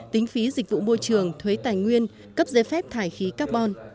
tính phí dịch vụ môi trường thuế tài nguyên cấp giấy phép thải khí carbon